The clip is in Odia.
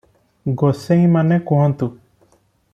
"ଗୋସେଇଁମାନେ କୁହନ୍ତୁ